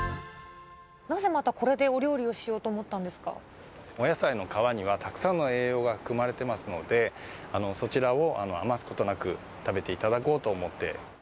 なぜまたこれでお料理をしよお野菜の皮にはたくさんの栄養が含まれてますので、そちらを余すことなく食べていただこうと思って。